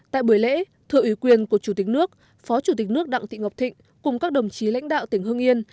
tại buổi lễ thưa ủy quyền của chủ tịch nước phó chủ tịch nước đặng thị ngọc thịnh cùng các đồng chí lãnh đạo tỉnh hưng yên